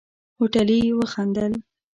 هوټلي وخندل.